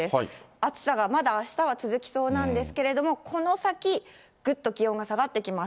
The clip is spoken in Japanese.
暑さがまだあしたは続きそうなんですけれども、この先、ぐっと気温下がってきます。